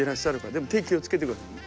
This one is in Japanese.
でも手気を付けてくださいね。